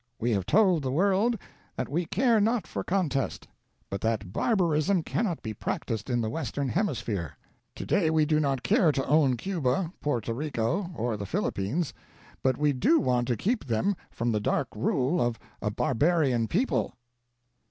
We have told the world that we care not for contest, but that barbarism cannot be practices in the Western Hemisphere. Today we do not care to own Cuba, Puerto Rico, or the Philippines, but we do want to keep them from the dark rule of a barbarian people."